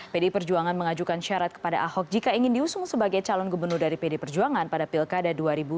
pdi perjuangan mengajukan syarat kepada ahok jika ingin diusung sebagai calon gubernur dari pd perjuangan pada pilkada dua ribu dua puluh